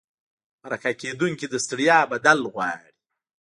مرکه کېدونکي د ستړیا بدل غواړي.